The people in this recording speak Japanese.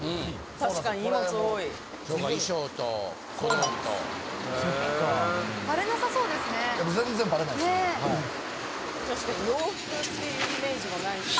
確かに洋服っていうイメージもないし。